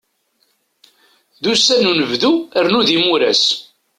D ussan n unebdu rnu d imuras.